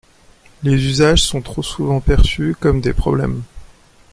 Les usages sont trop souvent perçus comme des problèmes.